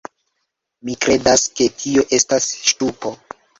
Mi kredas, ke tio estas ŝtupo